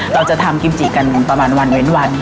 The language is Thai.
เราจะทำกิมจิกันประมาณวันเว้นวัน